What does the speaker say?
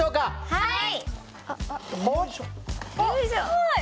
はい！